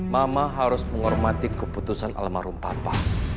mama harus menghormati keputusan alam harum papa